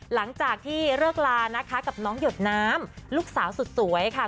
หลังจากที่เลิกลานะคะกับน้องหยดน้ำลูกสาวสุดสวยค่ะ